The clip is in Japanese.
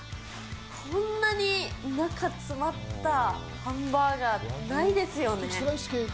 こんなに中、詰まったハンバーガーないですよね。